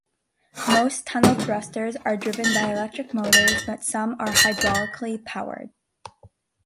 Most tunnel thrusters are driven by electric motors, but some are hydraulically powered.